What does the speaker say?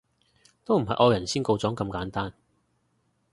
都唔係惡人先告狀咁簡單